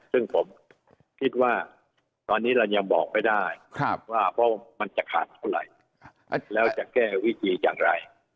ซึ่งผมคิดว่าตอนนี้เรายังบอกไม่ได้ว่าเพราะมันจะขาดเท่าไหร่แล้วจะแก้วิธีอย่างไร